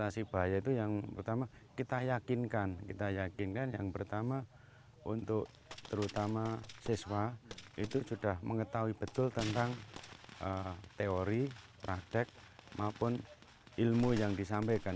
saya yakin kan yang pertama untuk terutama siswa itu sudah mengetahui betul tentang teori praktek maupun ilmu yang disampaikan